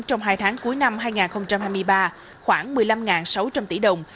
trong hai tháng cuối năm hai nghìn hai mươi ba khoảng một mươi năm sáu trăm linh tỷ đồng